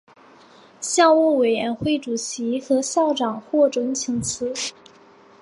校务委员会主席和校长获准请辞。